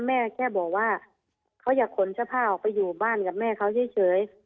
แม่แค่บอกว่าเขาอยากขนเสื้อผ้าออกไปอยู่บ้านกับแม่เขาเฉย